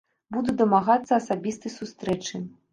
Буду дамагацца асабістай сустрэчы.